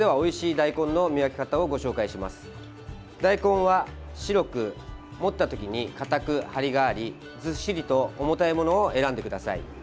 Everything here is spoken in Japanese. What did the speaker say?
大根は白く持ったときにかたく張りがあり、ずっしりと重たいものを選んでください。